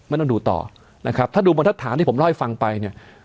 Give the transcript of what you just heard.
ไม่ต้องดูต่อถ้าดูบรรทธานที่ผมเล่าให้ฟังไปเนี่ย